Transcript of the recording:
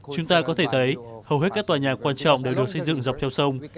chúng ta có thể thấy hầu hết các tòa nhà quan trọng đều được xây dựng dọc theo sông